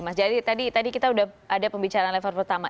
mas jaidy tadi kita ada pembicaraan level pertama